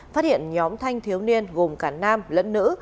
phát hiện nhóm thanh thiếu niên gồm cả nam lẫn nữ